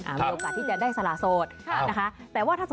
โอเคโอเคโอเคโอเค